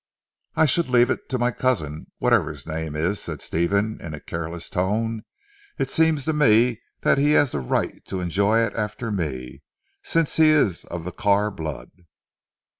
"I should leave it to my cousin, whatever his name is," said Stephen in a careless tone. "It seems to me that he has the right to enjoy it after me, since he is of the Carr blood."